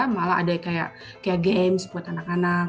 malah ada kayak games buat anak anak